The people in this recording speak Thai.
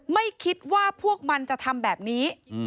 ไม่คิดว่าพวกมันจะทำแบบนี้